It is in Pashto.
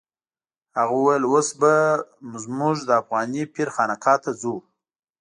هغه وویل اوس به موږ د افغاني پیر خانقا ته ځو.